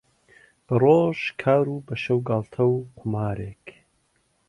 بەڕۆژ کار و بەشەو گاڵتە و قومارێک